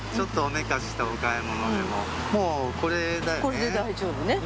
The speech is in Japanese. これで大丈夫ね。